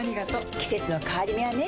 季節の変わり目はねうん。